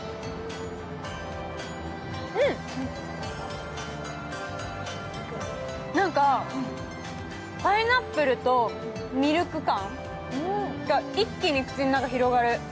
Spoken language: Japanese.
うん、なんかパイナップルとミルク感が一気に口の中に広がる。